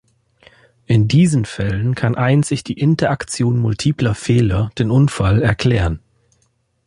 In diesen Fällen kann einzig die "Interaktion multipler Fehler" den Unfall erklären.